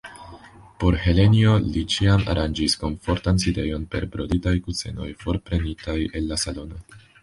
Por Helenjo li ĉiam aranĝis komfortan sidejon per broditaj kusenoj forprenitaj el la salono.